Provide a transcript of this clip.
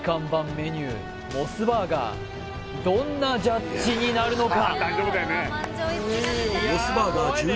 メニューモスバーガーどんなジャッジになるのか？